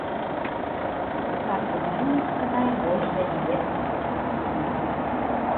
Наклад выдання складае больш за дзве тысячы асобнікаў.